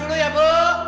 uh adih aku